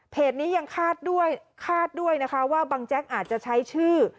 นี้ยังคาดด้วยคาดด้วยนะคะว่าบังแจ๊กอาจจะใช้ชื่อ